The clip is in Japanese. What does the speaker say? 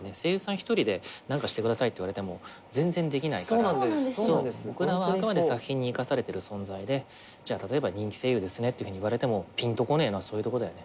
一人で何かしてくださいって言われても全然できないから僕らはあくまで作品に生かされてる存在でじゃあ例えば人気声優ですねっていうふうに言われてもぴんとこねえのはそういうとこだよね。